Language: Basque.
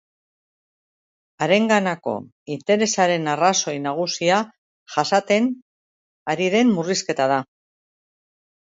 Harenganako interesaren arrazoi nagusia jasaten ari den murrizketa da.